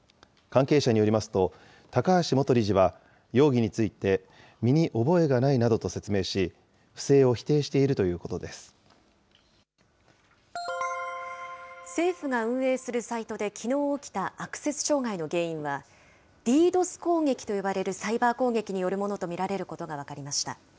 関係者によりますと、高橋元理事は、容疑について身に覚えがないなどと説明し、不正を否定してい政府が運営するサイトできのう起きたアクセス障害の原因は、ＤＤｏＳ攻撃と呼ばれるサイバー攻撃によるものと見られることが分かりました。